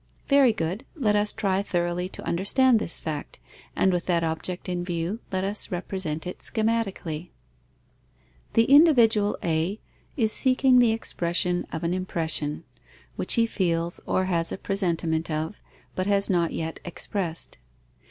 Very good. Let us try thoroughly to understand this fact, and with that object in view, let us represent it schematically. The individual A is seeking the expression of an impression, which he feels or has a presentiment of, but has not yet expressed.